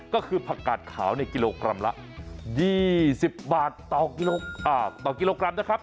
ก็คือผักกาดขาวในกิโลกรัมละ๒๐บาทต่อกิโลกรัมนะครับ